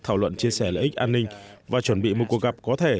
thảo luận chia sẻ lợi ích an ninh và chuẩn bị một cuộc gặp có thể